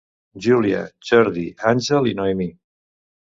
Júlia, Jordi, Àngel i Noemí.